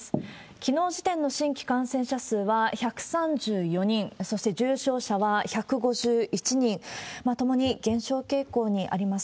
きのう時点の新規感染者数は１３４人、そして重症者は１５１人、ともに減少傾向にあります。